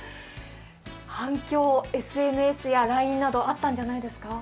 反響、ＳＮＳやＬＩＮＥなどあったんじゃないですか？